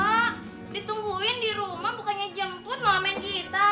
kita ditungguin dirumah bukannya jemput malah main gitar